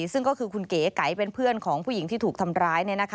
ซึ่งก็คือคุณเก๋ไก๋เป็นเพื่อนของผู้หญิงที่ถูกทำร้าย